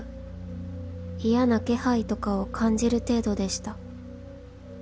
嫌な気配とかを感じる程度でした］